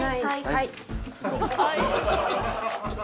「はい！」